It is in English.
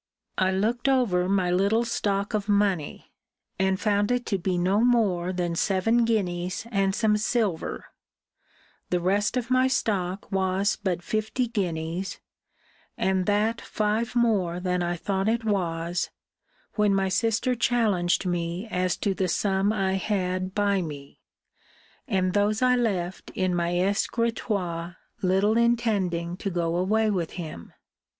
I looked over my little stock of money; and found it to be no more than seven guineas and some silver: the rest of my stock was but fifty guineas, and that five more than I thought it was, when my sister challenged me as to the sum I had by me:* and those I left in my escritoire, little intending to go away with him.